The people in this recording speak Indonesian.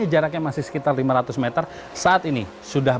jadi masih bisa tumbuh